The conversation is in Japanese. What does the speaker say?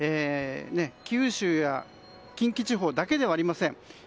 九州や近畿地方だけではありません。